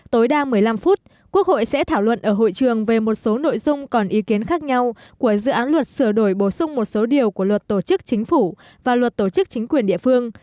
tối đa một mươi năm phút quốc hội sẽ thảo luận ở hội trường về một số nội dung còn ý kiến khác nhau của dự án luật sửa đổi bổ sung một số điều của luật tổ chức chính phủ và luật tổ chức chính quyền địa phương